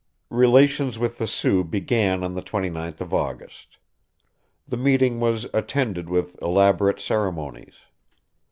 Relations with the Sioux began on the 29th of August. The meeting was attended with elaborate ceremonies.